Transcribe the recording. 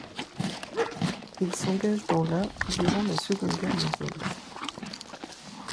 Il s'engage dans la durant la Seconde Guerre mondiale.